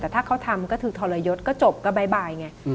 แต่ถ้าเขาทำก็คือทรยศก็จบก็บ่ายไง